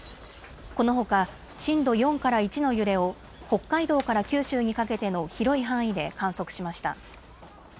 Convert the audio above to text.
このほか震度４から１の揺れを北海道から九州にかけての広い範囲で観測しました。